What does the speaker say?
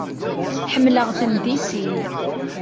Ḥemmleɣ-ten di sin.